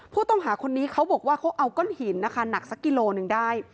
ผู้ต้องหาคนนี้เขาบอกว่าเขาเอาก้อนหินนะคะหนักสักกิโลหนึ่งได้